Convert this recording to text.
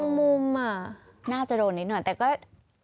มุมน่าจะโดนนิดหน่อยแต่ก็